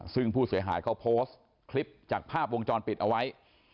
ซึ่งผู้เสียหายเขาโพสต์คลิปจากภาพวงจรปิดเอาไว้